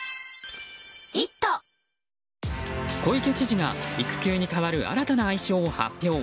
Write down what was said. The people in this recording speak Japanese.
小池知事が育休に代わる新たな愛称を発表。